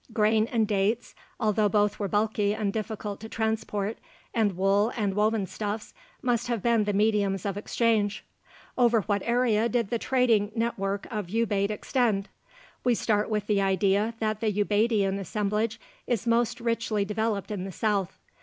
Grain and dates although both are bulky and difficult to transport and wool and woven stuffs must have been the mediums of exchange. Over what area did the trading net work of Ubaid extend? We start with the idea that the Ubaidian assemblage is most richly developed in the south.